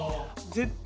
絶対。